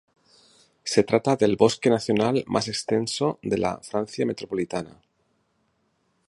Se trata del bosque nacional más extenso de la Francia metropolitana.